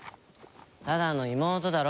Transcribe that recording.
ただの妹だろ？